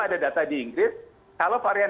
ada data di inggris kalau varian